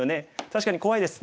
確かに怖いです。